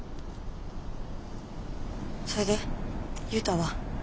それで雄太は？